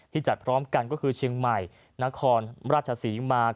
จัดพร้อมกันก็คือเชียงใหม่นครราชศรีมา